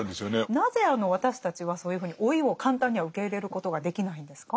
なぜあの私たちはそういうふうに老いを簡単には受け入れることができないんですか？